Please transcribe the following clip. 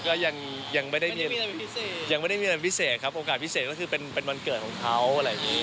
ก็ยังไม่ได้มีอะไรพิเศษครับโอกาสพิเศษก็คือเป็นวันเกิดของเขาอะไรอย่างนี้